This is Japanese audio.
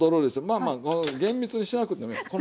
まあまあ厳密にしなくてもいい。